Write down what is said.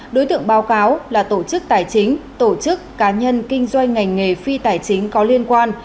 đối tượng báo cáo là tổ chức tài chính tổ chức cá nhân kinh doanh ngành nghề phi tài chính có liên quan